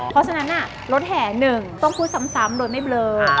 เพราะฉะนั้นรถแห่หนึ่งต้องพูดซ้ำโดยไม่เบลอ